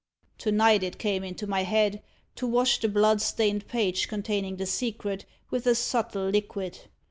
To night, it came into my head to wash the blood stained page containing the secret with a subtle liquid.